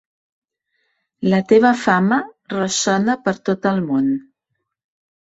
La teva fama ressona per tot el món.